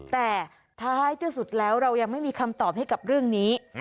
แต่ท้ายที่สุดแล้วเรายังไม่มีคำตอบให้กับเรื่องนี้